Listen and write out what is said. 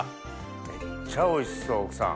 めっちゃおいしそう奥さん。